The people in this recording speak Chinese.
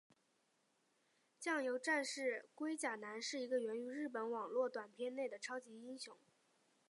酱油战士龟甲男是一个源于日本的网络短片内的超级英雄。